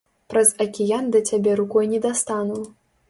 Праз акіян да цябе рукой не дастану.